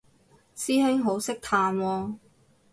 師兄好識嘆喎